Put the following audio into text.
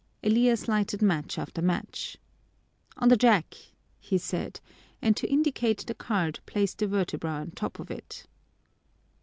Elias lighted match after match. "On the jack!" he said, and to indicate the card placed a vertebra on top of it.